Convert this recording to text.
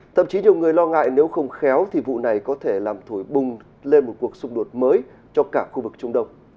thậm chí nhiều người lo ngại nếu không khéo thì vụ này có thể làm thổi bùng lên một cuộc xung đột mới cho cả khu vực trung đông